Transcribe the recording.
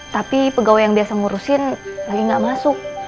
tapi pegawai yang biasa ngurusin lagi nggak masuk